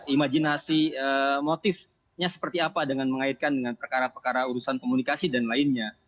imajinasi motifnya seperti apa dengan mengaitkan dengan perkara perkara urusan komunikasi dan lainnya